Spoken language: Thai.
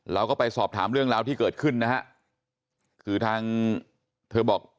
เราก็ไปสอบถามเรื่องราวที่เกิดขึ้นนะฮะคือทางเธอบอก